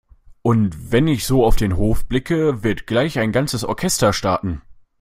Und wenn ich so auf den Hof blicke, wird gleich ein ganzes Orchester starten.